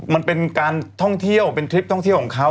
มันเป็นการท่องเที่ยวเป็นทริปท่องเที่ยวของเขา